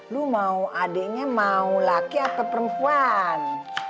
lu mau adiknya mau laki atau perempuan